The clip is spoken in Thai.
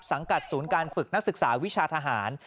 สังกัดสูญการฝึกนักศึกษาวิชาทหาร